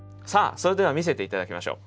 それでは見せて頂きましょう。